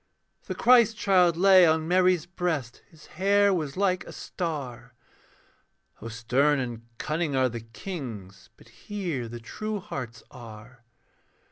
The Christ child lay on Mary's breast, His hair was like a star. (O stern and cunning are the kings, But here the true hearts are.)